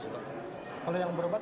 mungkin kita akan usahakan dibantu pak